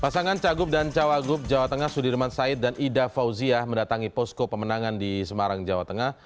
pasangan cagup dan cawagup jawa tengah sudirman said dan ida fauzia mendatangi posko pemenangan di semarang jawa tengah